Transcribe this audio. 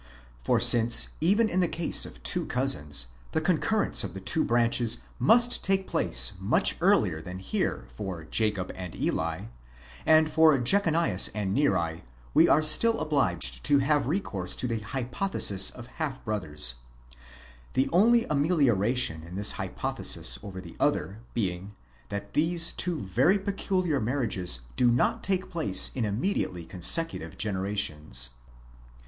For since even in the case of two cousins, the concurrence of the two branches must take place much earlier than here for Jacob and Eli, and for Jechonias and Neri, we are still obliged to have recourse to the hypothesis of half brothers; the only amelioration in this hypothesis over the other being, that these two very peculiar marriages do not take place in immediately consecutive generations.